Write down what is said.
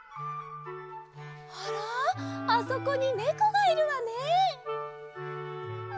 あらあそこにネコがいるわね。